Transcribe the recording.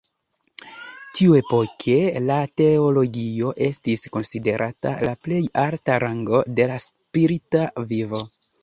Tiuepoke, la teologio estis konsiderata la plej alta rango de la spirita vivo.